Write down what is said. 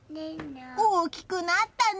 大きくなったね。